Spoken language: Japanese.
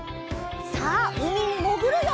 さあうみにもぐるよ！